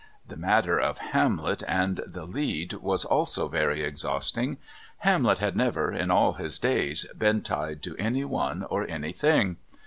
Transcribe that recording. The matter of Hamlet and the "lead" was also very exhausting. Hamlet had never, in all his days, been tied to anyone or anything.